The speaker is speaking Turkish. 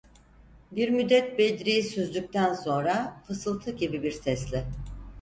Bir müddet Bedri’yi süzdükten sonra, fısıltı gibi bir sesle: